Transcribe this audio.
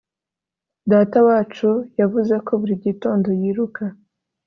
Datawacu yavuze ko buri gitondo yiruka